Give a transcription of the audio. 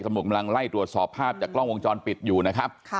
กำลังไล่ตรวจสอบภาพจากกล้องวงจรปิดอยู่นะครับ